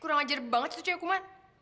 kurang ajar banget itu cekukuman